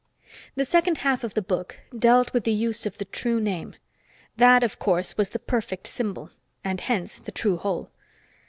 The second half of the book dealt with the use of the true name. That, of course, was the perfect symbol, and hence the true whole.